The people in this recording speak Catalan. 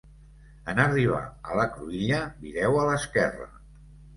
En arribar a la cruïlla vireu a l'esquerra.